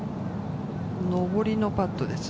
上りのパットです。